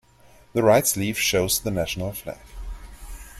The right sleeve shows the national flag.